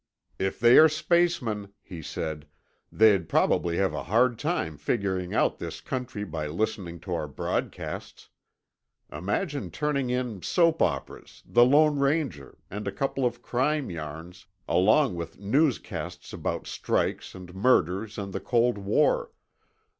"If they are spacemen," he said, "they'd probably have a hard time figuring out this country by listening to our broadcasts. Imagine tuning in soap operas, 'The Lone Ranger,' and a couple of crime yarns, along with newscasts about strikes and murders and the cold war.